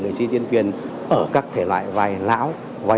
người sĩ diễn viên ở các thể loại vai lão